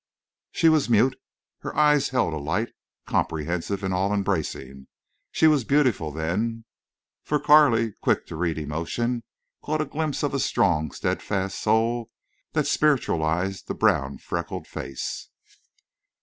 She was mute; her eyes held a light, comprehensive and all embracing; she was beautiful then. For Carley, quick to read emotion, caught a glimpse of a strong, steadfast soul that spiritualized the brown freckled face.